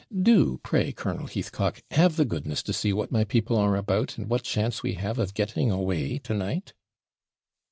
'Do, pray, Colonel Heathcock, have the goodness to see what my people are about, and what chance we have of getting away to night.'